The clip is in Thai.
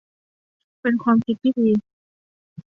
เป็นความคิดที่ดี